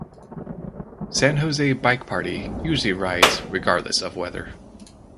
San Jose Bike Party usually rides regardless of weather.